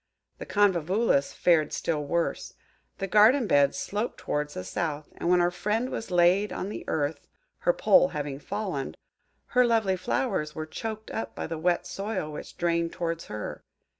The Convolvulus fared still worse. The garden beds sloped towards the south; and when our friend was laid on the earth–her pole having fallen–her lovely flowers were choked up by the wet soil which drained towards her.